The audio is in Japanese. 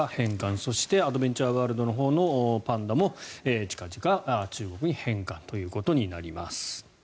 そしてアドベンチャーワールドのほうのパンダも近々、中国に返還ということになります。